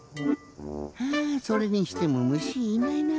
はあそれにしてもむしいないな。